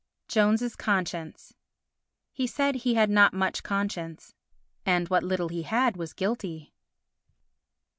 Jones's Conscience He said he had not much conscience, and what little he had was guilty.